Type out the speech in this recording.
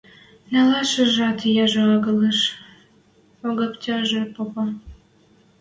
– Нӓлӓшӹжӓт яжо агылыш, – Огаптяжы попа.